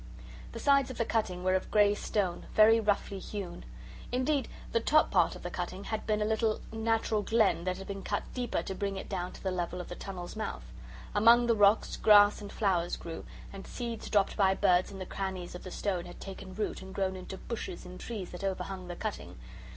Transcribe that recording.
The sides of the cutting were of grey stone, very roughly hewn. Indeed, the top part of the cutting had been a little natural glen that had been cut deeper to bring it down to the level of the tunnel's mouth. Among the rocks, grass and flowers grew, and seeds dropped by birds in the crannies of the stone had taken root and grown into bushes and trees that overhung the cutting.